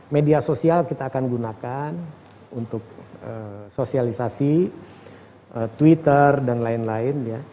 media sosial kita akan gunakan untuk sosialisasi twitter dan lain lain